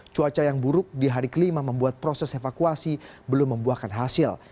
cuaca yang buruk di hari kelima membuat proses evakuasi belum membuahkan hasil